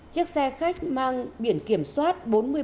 chiếc xe khách mang biển kiểm soát